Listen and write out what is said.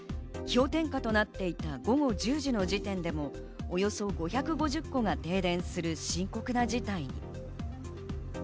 氷点下となっていた午後１０時の時点でもおよそ５５０戸が停電する深刻な事態に。